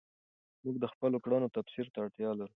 موږ د خپلو کړنو تفسیر ته اړتیا لرو.